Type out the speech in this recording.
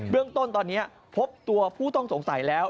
เรื่องต้นตอนนี้พบตัวผู้ต้องสงสัยแล้ว